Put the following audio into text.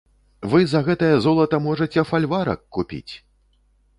Вы за гэтае золата можаце фальварак купіць!